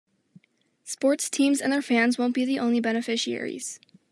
Sports teams and their fans won't be the only beneficiaries.